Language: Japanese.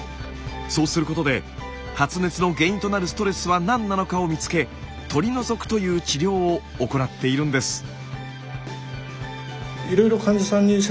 そうすることで発熱の原因となるストレスは何なのかを見つけ取り除くという治療を行っているんです。